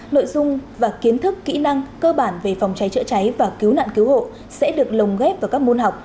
nội dung và kiến thức kỹ năng cơ bản về phòng cháy chữa cháy và cứu nạn cứu hộ sẽ được lồng ghép vào các môn học